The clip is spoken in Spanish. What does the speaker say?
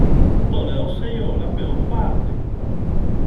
Toledo se llevó la peor parte.